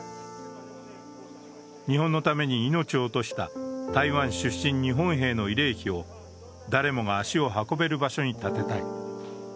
日本のために命を落とした台湾出身日本兵の慰霊碑を誰もが足を運べる場所に建てたい。